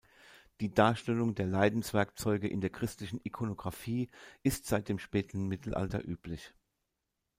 Die Darstellung der Leidenswerkzeuge in der christlichen Ikonographie ist seit dem späten Mittelalter üblich.